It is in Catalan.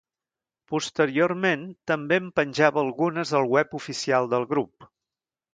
Posteriorment també en penjava algunes al web oficial del grup.